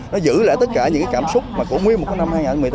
nó giữ lại tất cả những cảm xúc của nguyên một năm hai nghìn một mươi tám